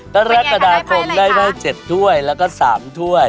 กรกฎาคมได้ไพ่๗ถ้วยแล้วก็๓ถ้วย